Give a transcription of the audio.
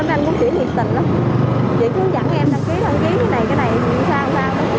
em cũng chỉ nghiệp tình lắm chỉ muốn dẫn em đăng ký đăng ký cái này cái này sao không sao